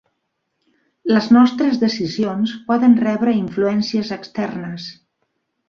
Les nostres decisions poden rebre influències externes.